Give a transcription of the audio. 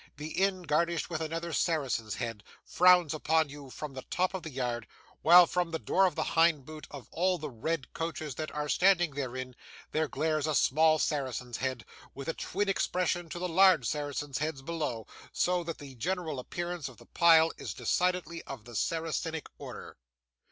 The inn itself garnished with another Saracen's Head, frowns upon you from the top of the yard; while from the door of the hind boot of all the red coaches that are standing therein, there glares a small Saracen's Head, with a twin expression to the large Saracens' Heads below, so that the general appearance of the pile is decidedly of the Saracenic order.